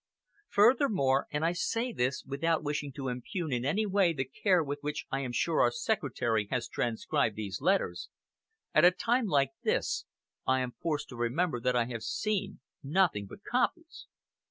Furthermore and I say this without wishing to impugn in any way the care with which I am sure our secretary has transcribed these letters at a time like this I am forced to remember that I have seen nothing but copies."